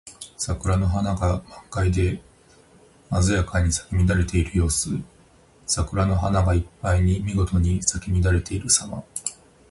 桜の花が満開で鮮やかに咲き乱れている様子。桜の花がいっぱいにみごとに咲き乱れているさま。